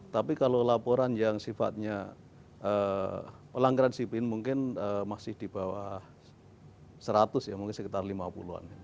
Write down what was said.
tapi kalau laporan yang sifatnya pelanggaran sipin mungkin masih di bawah seratus ya mungkin sekitar lima puluh an